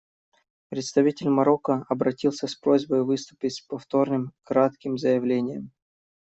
Представитель Марокко обратился с просьбой выступить с повторным кратким заявлением.